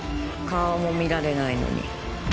顔も見られないのに。